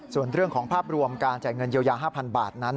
ส่วนเรื่องของภาพรวมการจ่ายเงินเยียวยา๕๐๐บาทนั้น